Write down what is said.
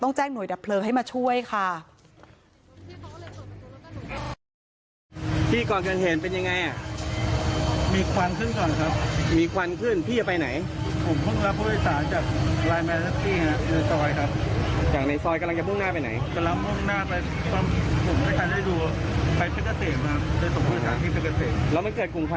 แจ้งหน่วยดับเพลิงให้มาช่วยค่ะ